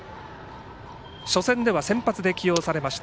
初戦では先発で起用されました。